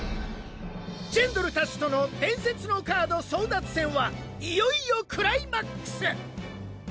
ジェンドルたちとの伝説のカード争奪戦はいよいよクライマックス。